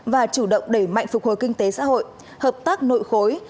và chủ động đẩy mạnh phục hồi kinh tế xã hội hợp tác nội khối